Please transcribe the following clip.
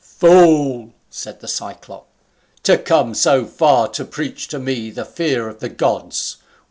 "Fool!" said the Cyclop, "to come so far to preach to me the fear of the gods.